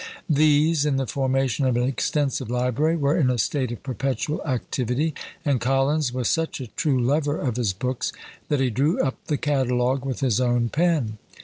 These, in the formation of an extensive library, were in a state of perpetual activity, and Collins was such a true lover of his books, that he drew up the catalogue with his own pen.